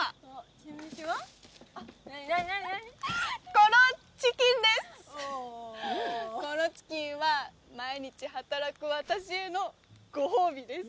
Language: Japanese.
このチキンは毎日働く私へのご褒美です。